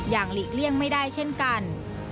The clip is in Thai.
หลีกเลี่ยงไม่ได้เช่นกัน